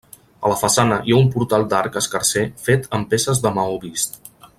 A la façana hi ha un portal d'arc escarser fet amb peces de maó vist.